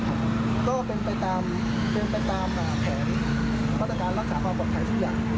ก็เป็นไปตามแผนมาตรการรักษาความปลอดภัยทุกอย่าง